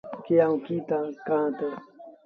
ڪيٚ آئوٚنٚ ايٚ ڪهآنٚ تا